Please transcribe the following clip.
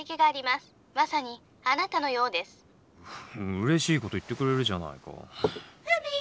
うれしいこと言ってくれるじゃないか。